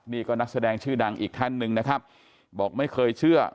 นี่ก็นักแสดงชื่อดังอีกท่านหนึ่งนะครับบอกไม่เคยเชื่อ